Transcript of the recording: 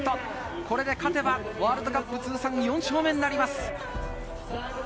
これで勝てばワールドカップ通算４勝目となります。